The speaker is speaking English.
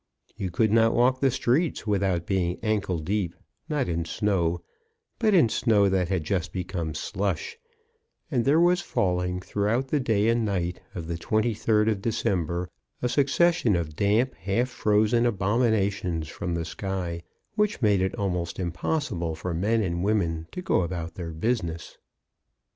You could not walk the streets without being ankle deep, not in snow, but in snow that had just become slush; and there was falling throughout the day and night of the 23d of December a suc cession of damp, half frozen abominations from the sky which made it almost impos sible for men and women to go about their business.